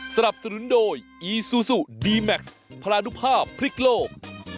สนับสนุนโดยอีซูซูดีแม็กซ์พลานุภาพพริกโลก